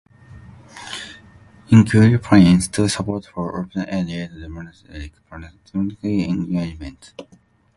"Inquiry" points to support for open-ended, democratic, participatory engagement.